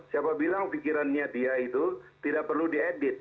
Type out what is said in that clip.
siapa bilang pikirannya dia itu tidak perlu diedit